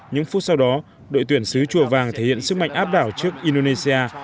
những phút sau đó đội tuyển sứ chùa vàng thể hiện sức mạnh áp đảo trước indonesia